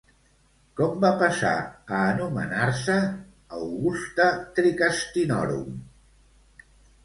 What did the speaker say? Com va passar a anomenar-se Augusta Tricastinorum?